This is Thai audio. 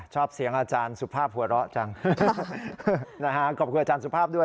ชอบเสียงอาจารย์สุภาพหัวเราะจังนะฮะขอบคุณอาจารย์สุภาพด้วย